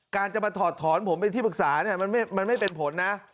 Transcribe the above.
การจะมาถอดถอนผมเป็นที่ปรึกษาเนี่ยมันไม่เป็นผลนะ